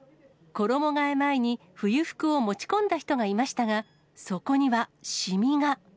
衣がえ前に冬服を持ち込んだ人がいましたが、そこには染みが。